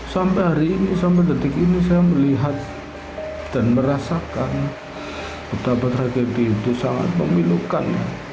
sampai hari ini sampai detik ini saya melihat dan merasakan betapa tragedi itu sangat memilukan